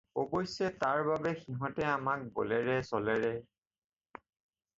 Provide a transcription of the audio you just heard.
অৱশ্যে তাৰ বাবে সিহঁতে আমাক বলেৰে ছলেৰে